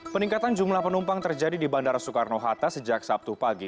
peningkatan jumlah penumpang terjadi di bandara soekarno hatta sejak sabtu pagi